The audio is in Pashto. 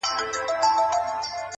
د بدمستۍ برزخ ته ټول عقل سپارمه ځمه;